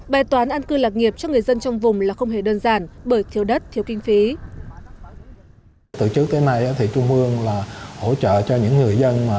bài toán an cư lạc nhiên tỉnh an giang đã đưa ra một bài toán an cư lạc nhiên